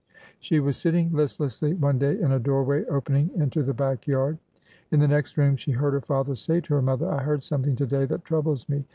She was sitting listlessly one day in a doorway open ing into the back yard. In the next room she heard her father say to her mother : I heard something to day that troubles me.